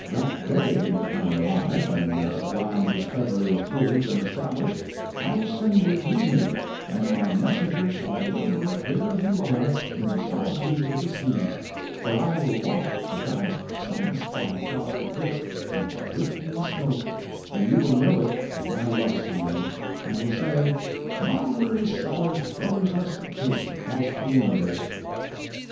That day, if I am alive and my sublime discovery is proved and established, I will send you greeting, and my messenger shall deliver it where you are, in the solitudes of the sea; for I will waft a vast sun spot across the disk like drifting smoke, and you will know it for my love sign, and will say "Mulberry Sellers throws us a kiss across the universe."